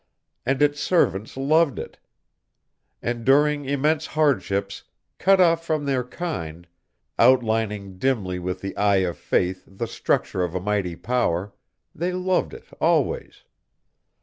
And its servants loved it. Enduring immense hardships, cut off from their kind, outlining dimly with the eye of faith the structure of a mighty power, they loved it always.